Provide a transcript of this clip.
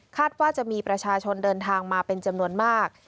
ว่าจะมีประชาชนเดินทางมาเป็นจำนวนมาก